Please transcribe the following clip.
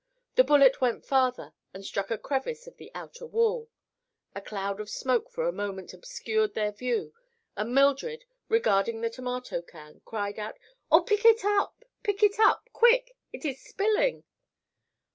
The bullet went farther and struck a crevice of the outer wall. A cloud of smoke for a moment obscured their view and Mildred, regarding the tomato can, cried out: "Oh, pick it up! Pick it up, quick! It is spilling."